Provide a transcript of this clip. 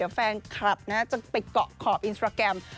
เดี๋ยวแฟนคลับนะจะไปเกาะขอบอินสตราแกรม